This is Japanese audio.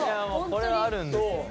これはあるんですよね。